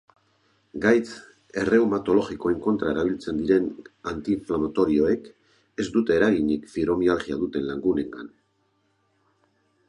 Gaitz erreumatologikoen kontra erabiltzen diren antiinflamatorioek ez dute eraginik fibromialgia duten lagunengan.